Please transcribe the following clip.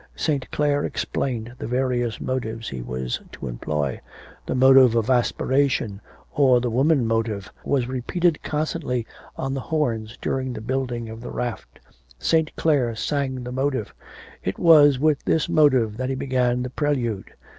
St. Clare explained the various motives he was to employ; the motive of aspiration, or the woman motive, was repeated constantly on the horns during the building of the raft. St. Clare sang the motive. It was with this motive that he began the prelude.